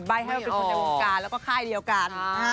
แห้วเป็นคนในวงการแล้วก็ค่ายเดียวกัน